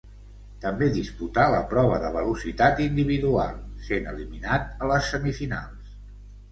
També disputà la prova de velocitat individual, sent eliminat a les semifinals.